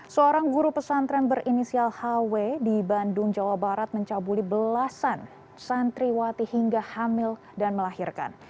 seorang guru pesantren berinisial hw di bandung jawa barat mencabuli belasan santriwati hingga hamil dan melahirkan